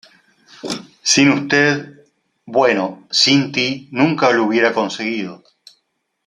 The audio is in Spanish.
sin usted... bueno, sin ti nunca lo hubiera conseguido.